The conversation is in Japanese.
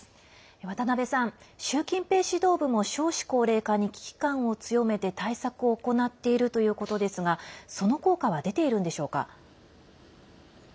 渡辺さん、習近平指導部も少子高齢化に危機感を強めて対策を行っているということですがその効果は出ているんでしょうか。